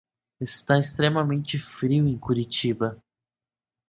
Está extremamente frio em Curitiba